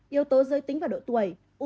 yếu tố dơi tính và độ tuổi